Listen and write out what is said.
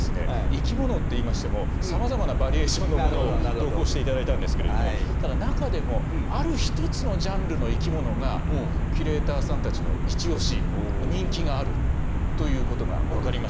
生きものっていいましてもさまざまなバリエーションのものを投稿して頂いたんですけれどもただ中でもある一つのジャンルの生きものがキュレーターさんたちのイチ推し人気があるということが分かりまして。